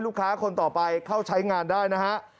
คนต่อไปเข้าใช้งานได้นะฮะ